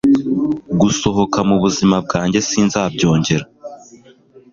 gusohoka mubuzima bwanjye sinzabyongera